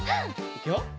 いくよ！